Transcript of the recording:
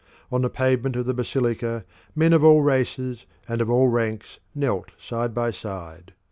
On the pavement of the basilica men of all races and of all ranks knelt side by side.